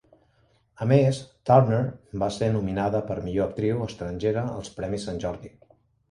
A més, Turner va ser nominada per Millor Actriu Estrangera als premis Sant Jordi.